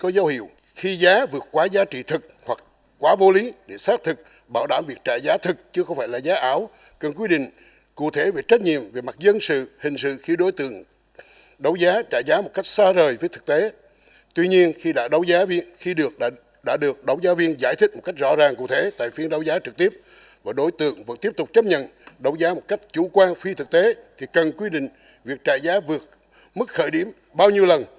đại biểu đề nghị dự thảo luật vẫn tiếp tục chấp nhận đấu giá một cách chủ quan phi thực tế thì cần quy định việc trả giá vượt mức khởi điểm bao nhiêu lần